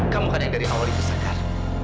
kamu kan yang dari awal itu segar